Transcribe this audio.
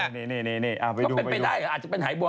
นี่นี่นี่นี่นี่อ่ะไปดูจะเป็นไปได้หรืออาจจะเป็นหายบวก